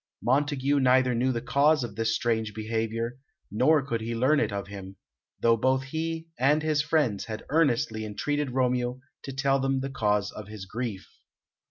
Montague neither knew the cause of this strange behaviour, nor could he learn it of him, though both he and his friends had earnestly entreated Romeo to tell them the cause of his grief.